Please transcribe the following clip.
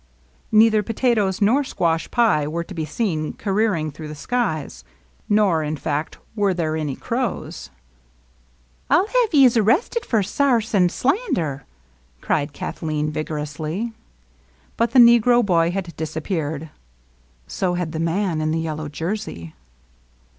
Neither potatoes nor squash pie were to be seen careering through the skies ; nor, in fact, were there any crows. ^^ I 'U have yez arrested for sarse a^ slander !" cried Kathleen vigorously. But the negro boy had disappeared. So had the man in the yellow jersey.